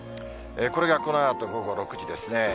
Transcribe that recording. これがこのあと午後６時ですね。